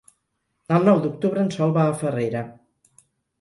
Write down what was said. El nou d'octubre en Sol va a Farrera.